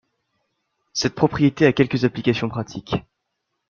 Cette propriété a quelques applications pratiques.